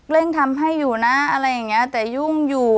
เร่งทำให้อยู่นะอะไรอย่างนี้แต่ยุ่งอยู่